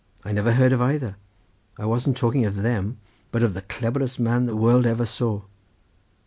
I never heard of either. I wasn't talking of them, but of the clebberest man the world ever saw.